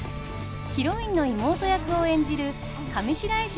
ヒロインの妹役を演じる上白石